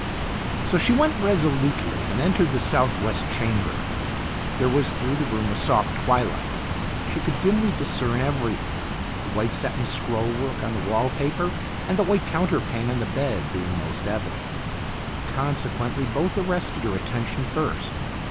So she went resolutely and entered the southwest chamber. There was through the room a soft twilight. She could dimly discern everything, the white satin scroll work on the wall paper and the white counterpane on the bed being most evident. Consequently both arrested her attention first.